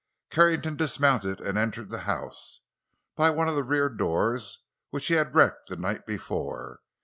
Carrington dismounted and entered the house—by one of the rear doors—which he had wrecked the night before.